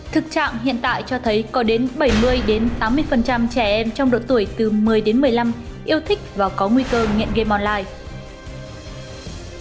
thực trạng hiện tại cho thấy có đến bảy mươi tám mươi trẻ em trong độ tuổi từ một mươi đến một mươi năm yêu thích và có nguy cơ nghiện game online